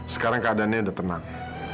sekarang keadaannya udah tenang